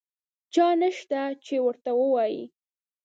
چا نشته چې ورته ووایي.